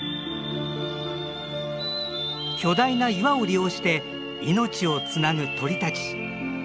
巨大な岩を利用して命をつなぐ鳥たち。